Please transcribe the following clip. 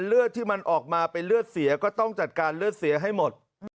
เลือดที่มันออกมาเป็นเลือดเสียก็ต้องจัดการเลือดเสียให้หมด